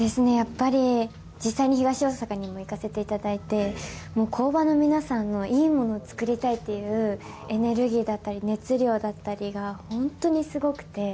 やっぱり、実際に東大阪にいさせていただいて、工場の皆さんの、いいものを作りたいっていうエネルギーだったり、熱量だったりが、本当にすごくて。